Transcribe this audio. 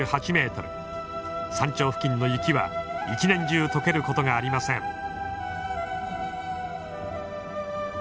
山頂付近の雪は年中解けることがありません。